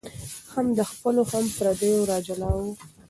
هم له خپلو هم پردیو را جلا وه